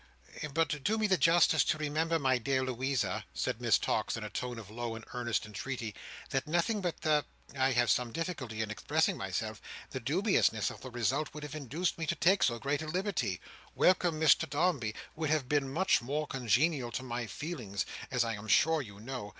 "But do me the justice to remember, my dear Louisa," said Miss Tox in a tone of low and earnest entreaty, "that nothing but the—I have some difficulty in expressing myself—the dubiousness of the result would have induced me to take so great a liberty: 'Welcome, Master Dombey,' would have been much more congenial to my feelings, as I am sure you know.